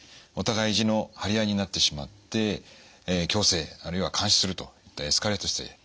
お互い意地の張り合いになってしまって強制あるいは監視するとエスカレートして。